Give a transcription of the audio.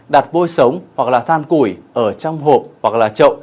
đặt vôi sống hoặc là than củi ở trong hộp hoặc là chậu